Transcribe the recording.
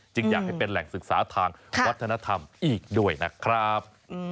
อยากให้เป็นแหล่งศึกษาทางวัฒนธรรมอีกด้วยนะครับ